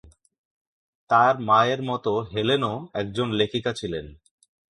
তার মায়ের মত হেলেনও একজন লেখিকা ছিলেন।